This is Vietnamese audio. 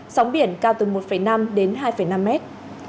sóng biển cao từ một năm đến hai năm mét